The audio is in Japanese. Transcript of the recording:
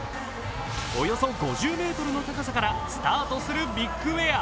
およそ５０ｍの高さからスタートするビッグエア。